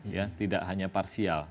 ya tidak hanya parsial